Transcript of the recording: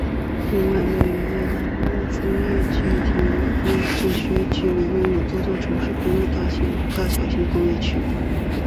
另外位于业旺路的南丰工业城为屯门区中唯一拥有多座工业大厦的小型工业区。